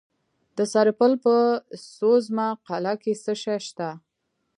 د سرپل په سوزمه قلعه کې څه شی شته؟